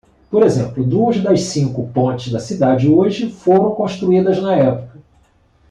Por exemplo,?, duas das cinco pontes da cidade hoje foram construídas na época.